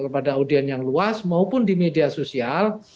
kepada audien yang luas maupun di media sosial